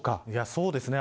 そうですね。